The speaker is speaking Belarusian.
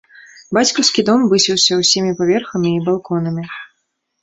Бацькаўскі дом высіўся ўсімі паверхамі і балконамі.